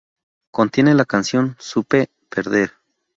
Contiene la canción "Supe Perder.